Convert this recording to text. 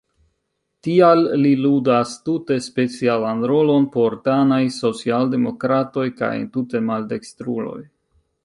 Tial li ludas tute specialan rolon por danaj socialdemokratoj kaj entute maldekstruloj.